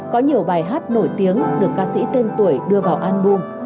có nhiều bài hát nổi tiếng được ca sĩ tên tuổi đưa vào album